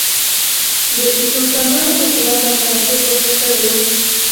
د شوګانانو حکومت امپراتور ګوښه کړی و.